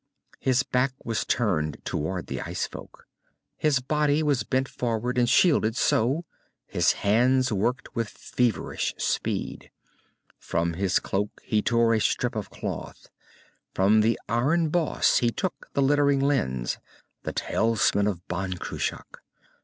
His back was turned toward the ice folk. His body was bent forward, and shielded so, his hands worked with feverish speed. From his cloak he tore a strip of cloth. From the iron boss he took the glittering lens, the talisman of Ban Cruach.